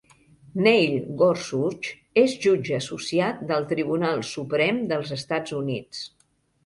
Neil Gorsuch és jutge associat del Tribunal Suprem dels Estats Units.